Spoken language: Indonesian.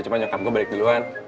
cuma nyekap gue balik duluan